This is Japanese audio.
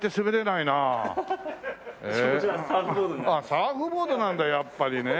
サーフボードなんだやっぱりね。